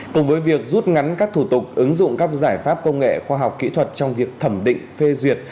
cùng với việc rút ngắn các thủ tục ứng dụng các giải pháp công nghệ khoa học kỹ thuật trong việc thẩm định phê duyệt